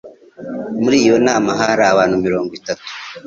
Muri iyo nama hari abantu mirongo itatu.